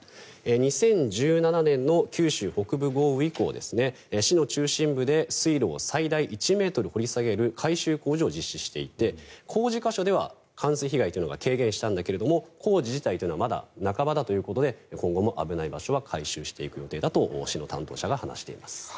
２０１７年の九州北部豪雨以降市の中心部で水路を最大１ｍ掘り下げる改修工事を実施していて工事箇所では冠水被害というのが軽減したんだけれど工事自体はまだ半ばだということで今後、危ない場所は改修していく予定だと市の担当者は話しています。